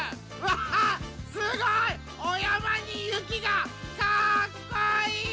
うわすごい！